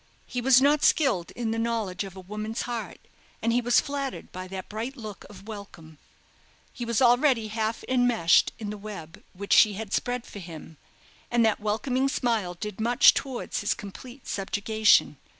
He was not skilled in the knowledge of a woman's heart, and he was flattered by that bright look of welcome. He was already half enmeshed in the web which she had spread for him, and that welcoming smile did much towards his complete subjugation.